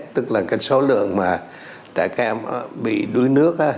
tức là cái số lượng mà trẻ em bị đối nước